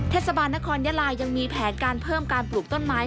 เทศบาลนครยาลายังมีแผนการเพิ่มการปลูกต้นไม้